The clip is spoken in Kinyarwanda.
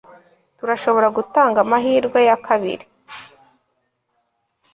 turashobora gutanga amahirwe ya kabiri